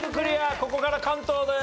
ここから関東です。